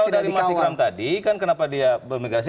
nah tadi kalau dari mas ikram tadi kan kenapa dia berimigrasi